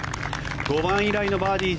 ５番以来のバーディー。